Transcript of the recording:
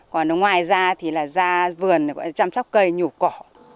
còn ngoài ra thì là ra vườn chăm sóc cây nhụp cỏ